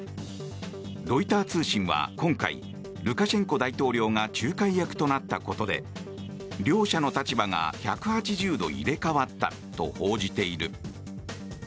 ロイター通信は今回ルカシェンコ大統領が仲介役となったことで両者の立場が１８０度入れ替わったと報じている。